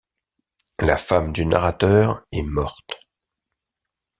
La femme du narrateur est morte.